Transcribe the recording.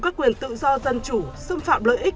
các quyền tự do dân chủ xâm phạm lợi ích